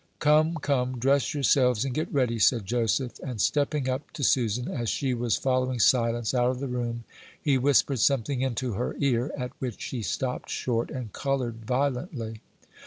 "Come, come, dress yourselves and get ready," said Joseph; and, stepping up to Susan, as she was following Silence out of the room, he whispered something into her ear, at which she stopped short and colored violently.